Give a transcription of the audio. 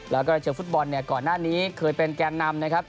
แล้วก็เจอฟุตบอลเนี่ยก่อนหน้านี้เคยเป็นแกนนำนะครับ